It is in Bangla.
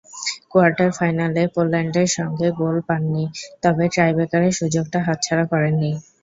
কোয়ার্টার ফাইনালে পোল্যান্ডের সঙ্গে গোল পাননি, তবে টাইব্রেকারে সুযোগটা হাতছাড়া করেননি।